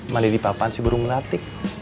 malah dipapan si burung melatik